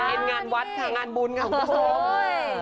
เป็นงานวัดค่ะงานบุญค่ะคุณผู้ชม